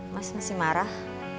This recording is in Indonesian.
mas masih marah